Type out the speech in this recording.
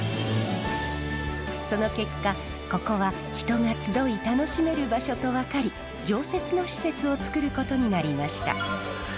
その結果ここは人が集い楽しめる場所と分かり常設の施設を作ることになりました。